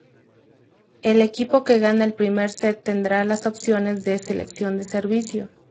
El equipo que gana el primer set tendrá las opciones de "Selección de Servicio".